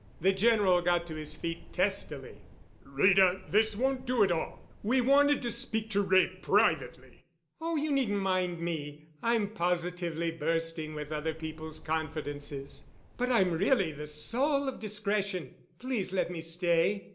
The General got to his feet testily. "Rita, this won't do at all. We wanted to speak to Wray privately——" "Oh! You needn't mind me. I'm positively bursting with other people's confidences. But I'm really the soul of discretion. Please let me stay."